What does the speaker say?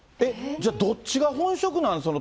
じゃあ、どっちが本職なの？